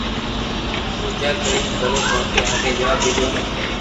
ھون پوجا ڪوئيي ڪرو ڪونڪھ آگي جواب ديوو ھي